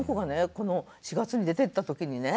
この４月に出てった時にね